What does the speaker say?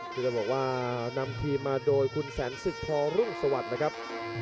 ที่ต้องบอกว่านำทีมมาโดยคุณแสนศึกพรุ่งสวัสดิ์นะครับ